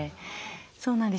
そうなんです。